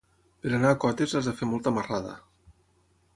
Per anar a Cotes has de fer molta marrada.